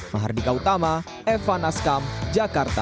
mahardika utama evan naskam jakarta